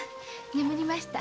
眠りました。